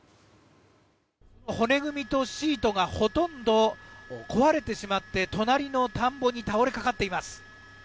骨組みとシートがほとんど壊れてしまって隣の田んぼに倒れ掛かっています。